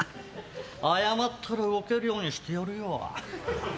謝ったら動けるようにしてやるよ。